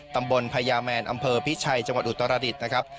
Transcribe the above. พญาแมนอำเภอพิชัยจังหวัดอุตรดิษฐ์นะครับ